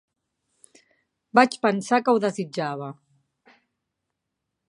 Vaig pensar que ho desitjava.